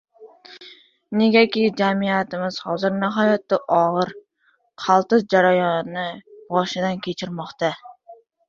Negaki, jamiyatimiz hozir nihoyatda og‘ir, qaltis jarayonni boshidan kechirmoqda.